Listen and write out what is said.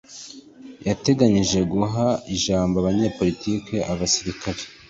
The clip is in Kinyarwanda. yateganyije guha ijambo abanyepolitiki, abasilikari